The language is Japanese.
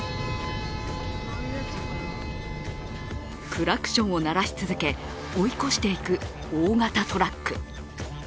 クラクションを鳴らし続け追い越していく大型トラック。